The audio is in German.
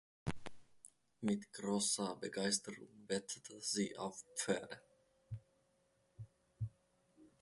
Mit großer Begeisterung wettete sie auf Pferde.